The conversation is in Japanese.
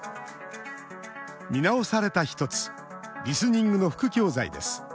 見直された一つリスニングの副教材です。